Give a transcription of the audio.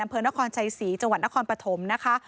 อำเภอนครชัยศรีจังหวัดนครปฐมนะคะ